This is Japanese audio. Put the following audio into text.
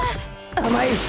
甘い！